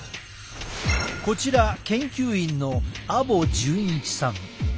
こちら研究員の阿保純一さん。